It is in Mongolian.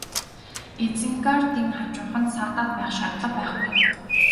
Изенгардын хажууханд саатаад байх шаардлага байхгүй.